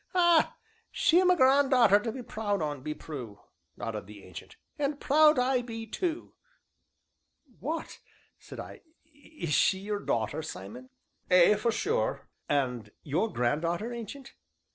"Ah! she 'm a gran'darter to be proud on, be Prue," nodded the Ancient, "an' proud I be tu!" "What," said I, "is she your daughter, Simon?" "Ay, for sure." "And your granddaughter, Ancient?"